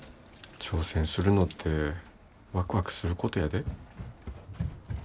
挑戦するのってわくわくすることやで。